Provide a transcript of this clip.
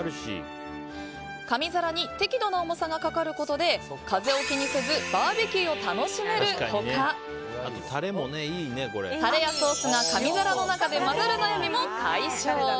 紙皿に適度な重さがかかることで風を気にせずバーベキューを楽しめる他タレやソースが紙皿の中で混ざる悩みも解消。